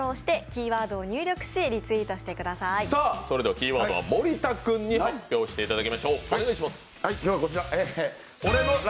それではキーワードは森田君に発表していただきましょう。